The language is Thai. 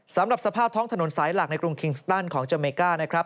สำหรับสภาพท้องถนนสายหลักในกรุงคิงสตันของเจอเมก้านะครับ